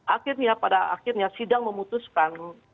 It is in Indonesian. akhirnya pada akhirnya sidang memutuskan